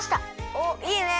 おっいいね。